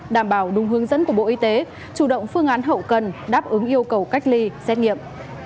đảm bảo đúng hướng dẫn của bộ y tế chủ động phương án hậu cần đáp ứng yêu cầu cách ly xét nghiệm